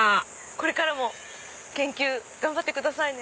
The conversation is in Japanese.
これからも頑張ってくださいね。